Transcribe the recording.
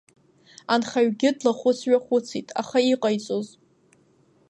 Анхаҩгьы длахәыц-ҩахәыцит, аха иҟаиҵоиз?